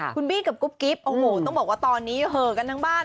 คุณบี้กับกุ๊บกิ๊บโอ้โหต้องบอกว่าตอนนี้เหอะกันทั้งบ้าน